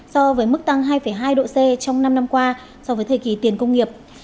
so với mức tăng hai hai độ c trong năm năm qua so với thời kỳ tiền công nghiệp